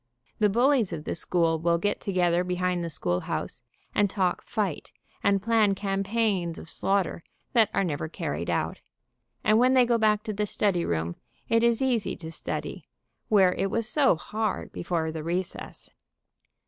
The bullies of the school will get together behind the school house and talk fight, and plan campaigns of slaughter that are never carried out, and when they go back to the study room, it is easy to study, where it was so hard before the recess.